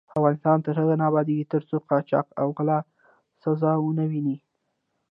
افغانستان تر هغو نه ابادیږي، ترڅو قاچاق او غلا سزا ونه ويني.